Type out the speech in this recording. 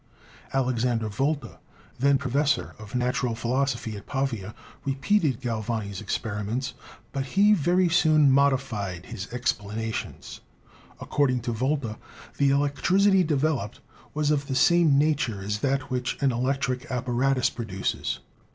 Alexander Volta, then Professor of Natural Philosophy at Pavia, repeated Galvani's experiments, but he very soon modified his explanations. According to Volta, the electricity developed was of the same nature as that which an electric apparatus produces.